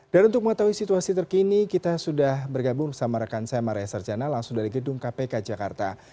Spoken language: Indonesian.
dan untuk mengetahui situasi terkini kita sudah bergabung bersama rekan saya maria sarjana langsung dari gedung kpk jakarta